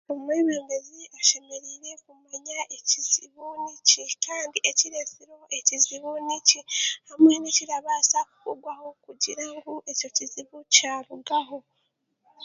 Omwebembezi ashemereire kumanya ekizibu niki kandi ekireetsireho ekizibu niki hamwe n'ekirabaasa kukorwaho kugira ngu ekyo kizibu kyarugaho